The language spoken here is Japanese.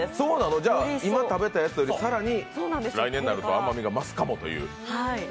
じゃあ、今食べたやつより更に来年になると甘味が増すかもという。